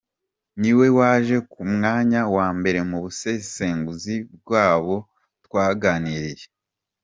Niwe waje ku mwanya wa mbere mu busesenguzi bwabo twaganiriye.